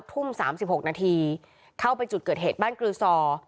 ทุ่มสามสิบหกนาทีเคลื่อนไปจุดเกิดเหตุบ้านกรุสอ